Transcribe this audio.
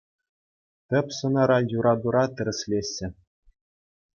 Тӗп сӑнара юратура тӗрӗслеҫҫӗ...